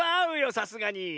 さすがに。